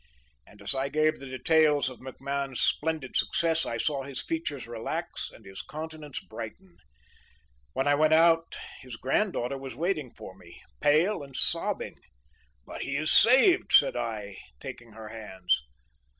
And as I gave the details of MacMahon's splendid success I saw his features relax and his countenance brighten."When I went out his granddaughter was waiting for me, pale and sobbing.—"'But he is saved,' said I, taking her hands.